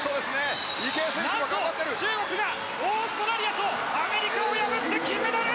何と中国がオーストラリアとアメリカを破って金メダル！